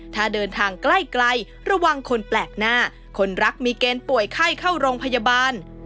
ถ้าเดินทางใกล้ระวังคนแปลกหน้าคนรักมีเกณฑ์ป่วยไข้เข้าโรงพยาบาล